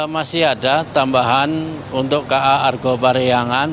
masih ada tambahan untuk ka argo bariangan